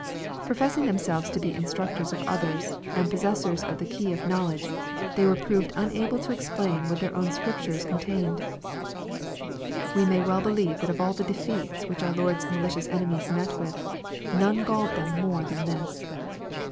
Professing themselves to be instructors of others and possessors of the key of knowledge, they were proved unable to explain what their own Scriptures con tained. We may well believe that of all the defeats which our Lord's malicious enemies met with, none galled them more than this.